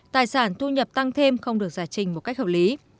tài sản thu nhập tăng thêm không được giải trình một cách hợp lý